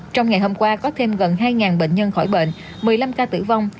trong ngày hôm qua có thêm gần hai bệnh nhân khỏi bệnh một mươi năm ca tử vong